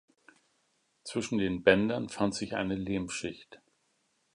Zwischen den Bändern fand sich eine Lehmschicht.